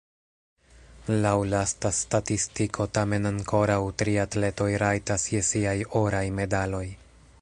Laŭ lasta statistiko, tamen ankoraŭ tri atletoj rajtas je siaj oraj medaloj.